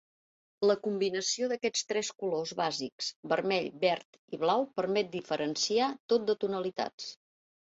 La combinació d'aquests tres colors bàsics: vermell, verd i blau, permet diferenciar tot de tonalitats.